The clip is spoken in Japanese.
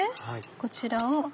こちらを。